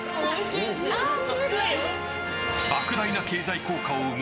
莫大な経済効果を生む